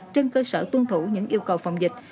trên cơ sở tuân thủ những yêu cầu phòng dịch